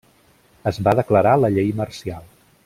Es va declarar la llei marcial.